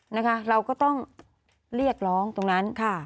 นะคะเราก็ต้องเรียกร้องตรงนั้นค่ะ